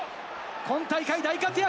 今大会大活躍。